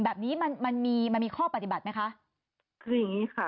แบบนี้มันมีข้อปฏิบัติไหมคะ